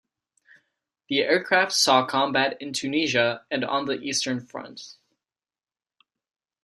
The aircraft saw combat in Tunisia and on the Eastern Front.